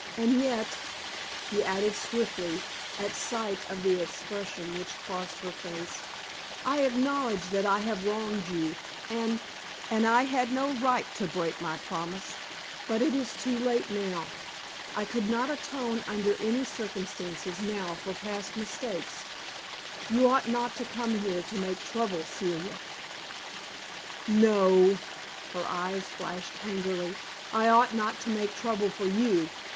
And yet," he added, swiftly, at sight of the expression which crossed her face, "I acknowledge that I have wronged you, and and I had no right to break my promise; but it is too late now. I could not atone under any circumstances now for past mistakes. You ought not to come here to make trouble, Celia." "No," her eyes flashed angrily "I ought not to make trouble for you.